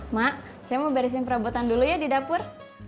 mak saya mau barisin perobotan dulu ya di dapur